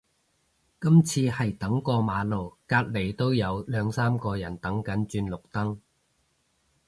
今次係等過馬路，隔離都有兩三個人等緊轉綠燈